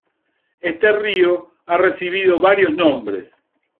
Este río ha recibido varios nombres.